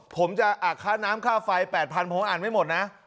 ผมจะอักษาน้ำค่าไฟแปดพันผมอ่านไม่หมดนะ